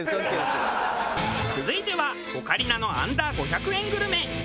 続いてはオカリナのアンダー５００円グルメ。